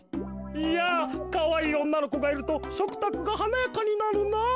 いやかわいいおんなのこがいるとしょくたくがはなやかになるなぁ。